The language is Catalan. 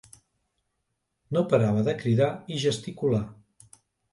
No parava de cridar i gesticular.